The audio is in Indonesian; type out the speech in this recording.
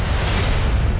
kalau dijumpai lah